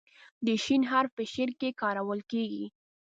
د "ش" حرف په شعر کې کارول کیږي.